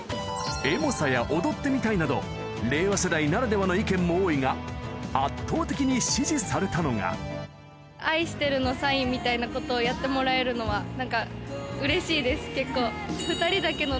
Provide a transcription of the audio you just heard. エモさや踊ってみたい！など令和世代ならではの意見も多いが圧倒的に支持されたのがみたいなことをやってもらえるのは何か。